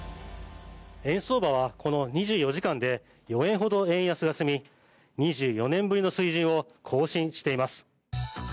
円相場はこの２４時間で４円ほど円安が進み２４年ぶりの水準を更新しています。